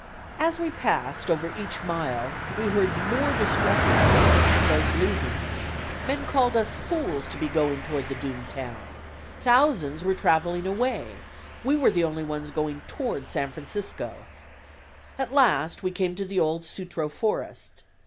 As we passed over each mile we heard more distressing tales from those leaving. Men called us fools to be going toward the doomed town. Thousands were traveling away; we were the only ones going toward San Francisco. At last we came to the old Sutro Forest.